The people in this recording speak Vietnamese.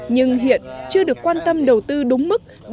nhưng hiện chưa được quan tâm đầu tư đúng